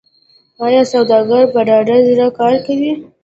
آیا سوداګر په ډاډه زړه کار کوي؟